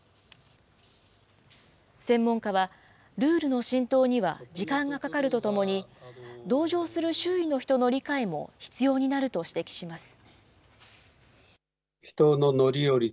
専門家は、ルールの浸透には時間がかかるとともに、同乗する周囲の人の理解も必要になると指摘します。